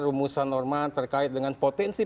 rumusan norma terkait dengan potensi